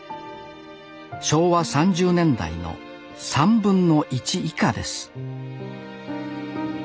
昭和３０年代の３分の１以下です